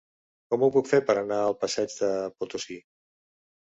Com ho puc fer per anar al passeig de Potosí?